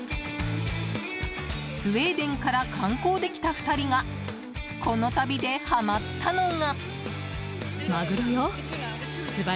スウェーデンから観光で来た２人がこの旅でハマったのが。